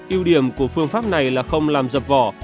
yêu điểm của phương pháp này là không làm dập vỏ